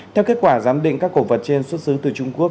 theo kết quả giám định các cổ vật trên xuất xứ từ trung quốc